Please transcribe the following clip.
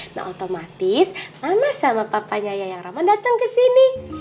nah otomatis mama sama papanya yayang roman datang ke sini